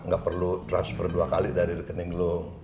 gak perlu transfer dua kali dari rekening lo